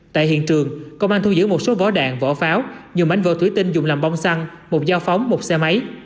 tại hiện trường công an thu giữ một số vỏ đạn vỏ pháo nhiều mánh vỏ thủy tinh dùng làm bông xăng một dao phóng một xe máy